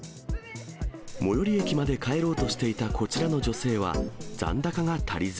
最寄り駅まで帰ろうとしていたこちらの女性は、残高が足りず。